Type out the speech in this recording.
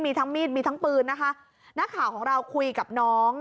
มีทั้งมีดมีทั้งปืนนะคะนักข่าวของเราคุยกับน้อง